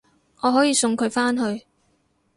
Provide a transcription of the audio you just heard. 我可以送佢返去